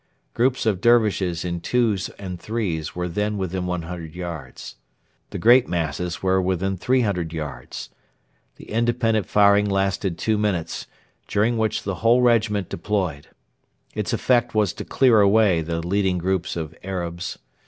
Groups of Dervishes in twos and threes were then within 100 yards. The great masses were within 300 yards. The independent firing lasted two minutes, during which the whole regiment deployed. Its effect was to clear away the leading groups of Arabs.